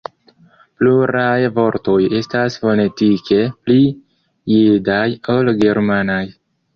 Pluraj vortoj estas fonetike pli jidaj ol germanaj.